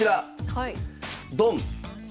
ドン。